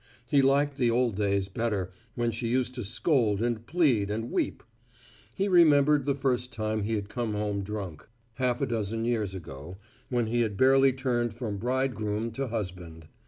He liked the old days better, when she used to scold and plead and weep. He remembered the first time he had come home drunk, half a dozen years ago, when he had barely turned from bridegroom to husband.